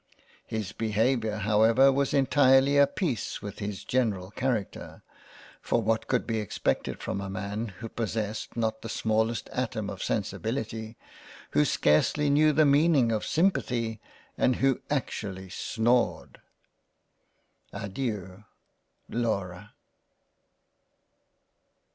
His Behaviour however was entirely of a peice with his general Character ; for what could be expected from a man who possessed not the smallest atom of Sensibility, who scarcely knew the meaning of simpathy, and who actually snored —. Adeiu Laura.